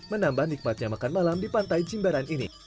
menambah nikmatnya makan malam di pantai jimbaran ini